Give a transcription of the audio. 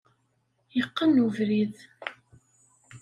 Iqqen ubrid.